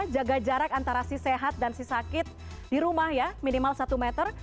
jaga jarak antara si sehat dan si sakit di rumah ya minimal satu meter